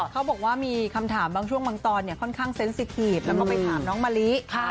เขาบอกว่ามีคำถามบางช่วงบางตอนค่อนข้างเซ็นสิทีฟแล้วก็ไปถามน้องมะลิ